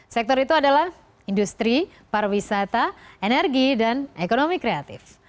sektor itu adalah industri pariwisata energi dan ekonomi kreatif